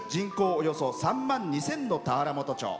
およそ３万２０００の田原本町。